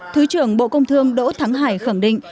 thứ trưởng bộ công thương đỗ thắng hải khẳng định